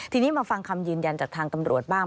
ทีนี้มาฟังคำยืนยันจากทางตำรวจบ้าง